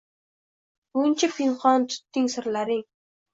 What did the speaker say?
Buncha pinhon tutding sirlaring